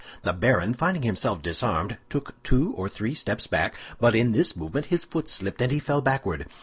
The baron, finding himself disarmed, took two or three steps back, but in this movement his foot slipped and he fell backward.